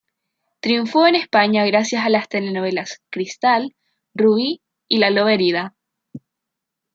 Triunfó en España gracias a las telenovelas "Cristal", "Rubi" y "La Loba Herida".